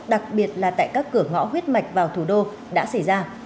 đặc biệt là tại các cửa ngõ huyết mạch vào thủ đô đã xảy ra